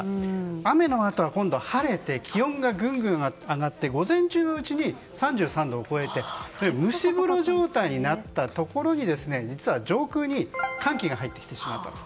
雨のあとは今度晴れて気温がぐんぐん上がって午前中のうちに３３度を超えて蒸し風呂状態になったところに実は、上空に寒気が入ってきてしまったと。